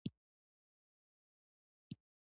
د مجاهدینو د ډلو نه نیولې تر طالبانو